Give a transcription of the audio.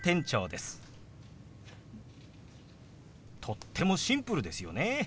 とってもシンプルですよね。